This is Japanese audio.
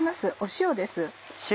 塩です。